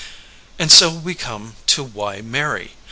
'' And so we come to Why Marry?